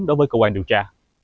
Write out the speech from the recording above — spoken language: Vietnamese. đối với cơ quan điều tra